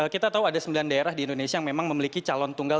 kita tahu ada sembilan daerah di indonesia yang memang memiliki calon tunggal